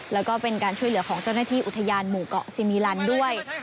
แล้วก็เป็นการช่วยเหลือของเจ้าหน้าที่อุทยานหมู่เกาะซีมิลันด้วย